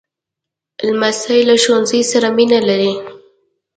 لمسی له ښوونځي سره مینه لري.